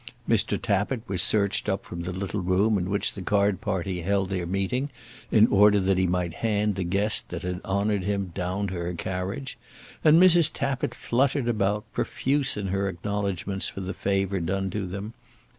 Mr. Tappitt was searched up from the little room in which the card party held their meeting in order that he might hand the guest that had honoured him down to her carriage; and Mrs. Tappitt fluttered about, profuse in her acknowledgments for the favour done to them.